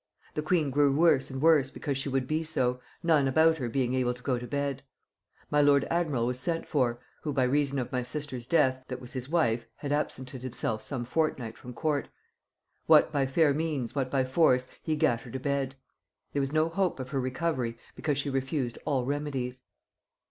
The queen grew worse and worse because she would be so, none about her being able to go to bed. My lord admiral was sent for, (who by reason of my sister's death, that was his wife, had absented himself some fortnight from court;) what by fair means what by force, he gat her to bed. There was no hope of her recovery, because she refused all remedies.